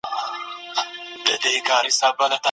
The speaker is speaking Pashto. اګوست کنت یو مشهور فرانسوي عالم و.